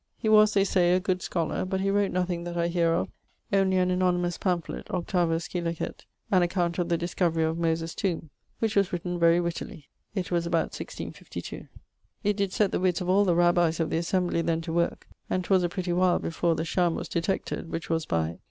He was (they say) a good scholar, but he wrote nothing that I heare of, onely an anonymous pamphlett, 8vo, scil. An account of the Discovery of Moyses's Tombe; which was written very wittily. It was about 1652. It did sett the witts of all the Rabbis of the Assembly then to worke, and 'twas a pretty while before the shamme was detected, which was by